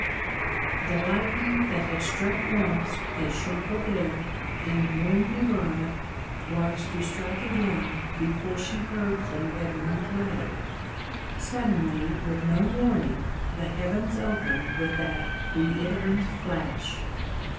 The lightning that had struck once at Champaubert and Montmirail was to strike again before she heard from Edmund Laye. Suddenly, with no warning, the heavens opened with that reiterant flash.